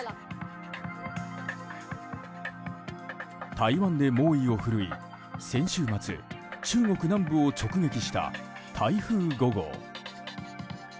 台湾で猛威を振るい先週末、中国南部を直撃した台風５号。